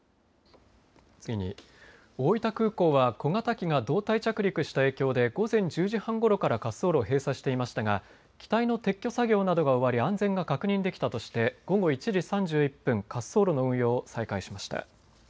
次に、大分空港は小型機が胴体着陸した影響で午前１０時半ごろから滑走路を閉鎖していましたが機体の撤去作業などが終わり安全が確認できたとして午後１時３１分、滑走路の運用を再開しました。